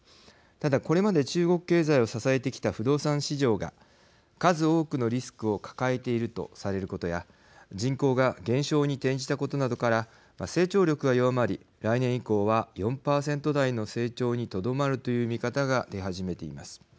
ただ、これまで中国経済を支えてきた不動産市場が数多くのリスクを抱えているとされることや人口が減少に転じたことなどから成長力が弱まり、来年以降は４％台の成長にとどまるという見方が出始めています。